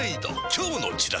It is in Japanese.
今日のチラシで